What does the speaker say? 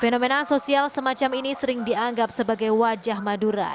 fenomena sosial semacam ini sering dianggap sebagai wajah madura